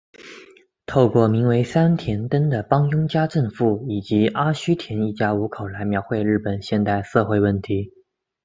透过名为三田灯的帮佣家政妇以及阿须田一家五口来描绘日本现代社会问题。